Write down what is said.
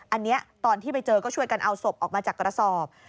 อันนี้ตอนที่ไปเจอก็ช่วยกันเอาศพออกมาจากกระสอบ